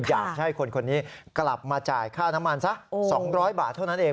อยากให้คนคนนี้กลับมาจ่ายค่าน้ำมันสัก๒๐๐บาทเท่านั้นเอง